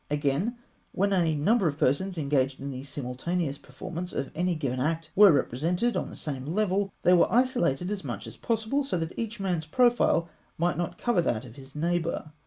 ] Again, when a number of persons engaged in the simultaneous performance of any given act were represented on the same level, they were isolated as much as possible, so that each man's profile might not cover that of his neighbour.